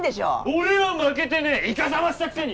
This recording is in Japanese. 俺は負けてねぇいかさましたくせに！